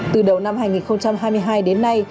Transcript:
từ đầu năm hai nghìn hai mươi hai đến nay